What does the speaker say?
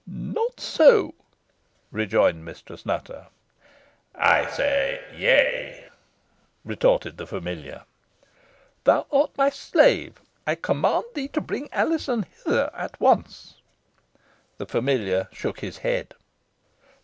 "Not so," rejoined Mistress Nutter. "I say yea," retorted the familiar. "Thou art my slave, I command thee to bring Alizon hither at once." The familiar shook his head.